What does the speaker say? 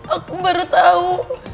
aku baru tau